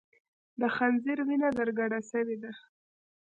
د خنځیر وینه در کډه سوې ده